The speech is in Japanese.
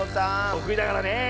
とくいだからねえ。